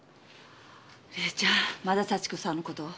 理恵ちゃんまだ幸子さんの事。